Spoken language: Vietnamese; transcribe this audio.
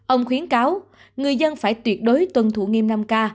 ông khuyến cáo người dân phải tuyệt đối tuân thủ nghiêm năm k